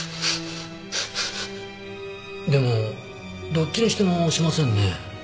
でもどっちにしてもしませんねえ。